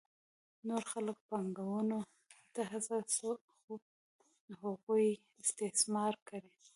نور خلک پانګونې ته هڅوي څو هغوی استثمار کړي